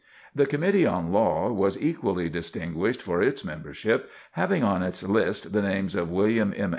The Committee on Law was equally distinguished for its membership, having on its list the names of William M.